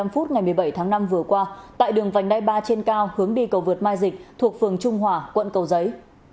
một mươi phút ngày một mươi bảy tháng năm vừa qua tại đường vành đai ba trên cao hướng đi cầu vượt mai dịch thuộc phường trung hòa quận cầu giấy